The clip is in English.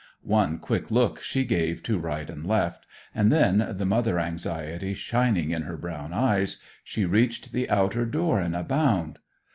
One quick look she gave to right and left, and then, the mother anxiety shining in her brown eyes, she reached the outer door in a bound.